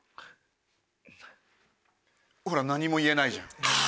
ほら何も言えないじゃん。